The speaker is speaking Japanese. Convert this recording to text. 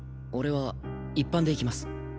俺は一般で行きます。